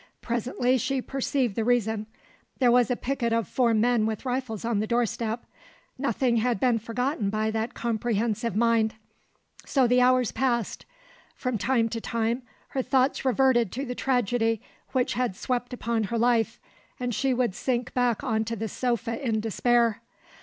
Presently she perceived the reason; there was a picket of four men with rifles on the doorstep. Nothing had been forgotten by that comprehensive mind. So the hours passed. From time to time her thoughts reverted to the tragedy which had swept upon her life, and she would sink back on to the sofa in despair.